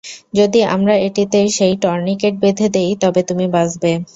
যদি আমরা এটিতে সেই টর্নিকেট বেধে দেই তবে তুমি বাচবে।